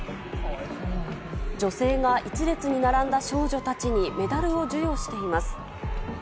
女性が１列に並んだ少女たちにメダルを授与しています。